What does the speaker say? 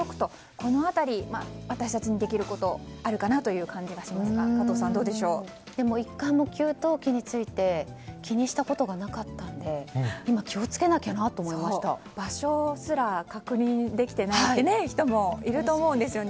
この辺り、私たちにできることあるかなという感じがしますが１回も給湯器について気にしたことがなかったので今、気をつけなきゃなと場所すら確認できていない人もいると思うんですよね。